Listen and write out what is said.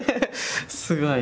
すごい。